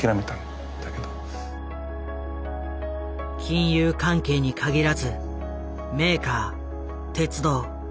金融関係に限らずメーカー鉄道。